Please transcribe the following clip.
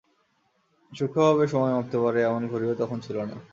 সূক্ষ্মভাবে সময় মাপতে পারে এমন ঘড়িও তখন ছিল না।